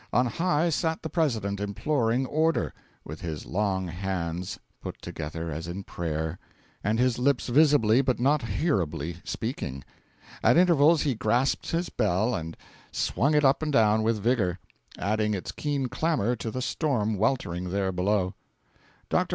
On high sat the President, imploring order, with his long hands put together as in prayer, and his lips visibly but not hearably speaking. At intervals he grasped his bell and swung it up and down with vigour, adding its keen clamour to the storm weltering there below. Dr.